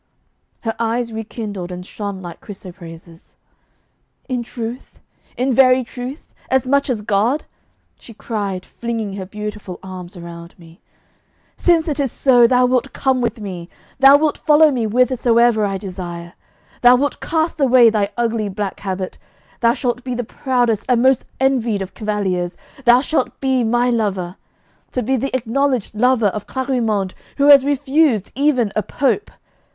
Her eyes rekindled and shone like chrysoprases. 'In truth? in very truth? as much as God!' she cried, flinging her beautiful arms around me. 'Since it is so, thou wilt come with me; thou wilt follow me whithersoever I desire. Thou wilt cast away thy ugly black habit. Thou shalt be the proudest and most envied of cavaliers; thou shalt be my lover! To be the acknowledged lover of Clarimonde, who has refused even a Pope!